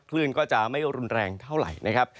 คลื่นก็จะไม่รุนแรงเท่าไหร่นะครับ